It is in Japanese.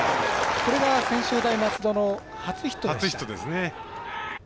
これが専修大松戸の初ヒットでした。